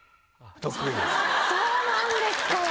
そうなんですか！